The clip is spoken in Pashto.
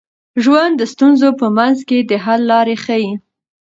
ژوند د ستونزو په منځ کي د حل لارې ښيي.